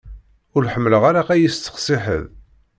Ur ḥemmleɣ ara ad y-isteqsi ḥedd.